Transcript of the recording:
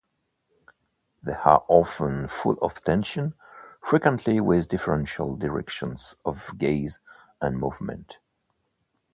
They are often full of tension, frequently with differential directions of gaze and movement.